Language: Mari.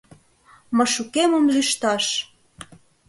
Машукемым лӱшташ.